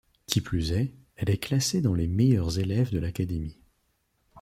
Qui plus est, elle est classée dans les meilleurs élèves de l’académie.